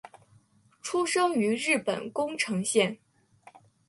出生于日本宫城县。